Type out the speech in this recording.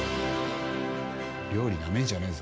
料理ナメんじゃねえぞ。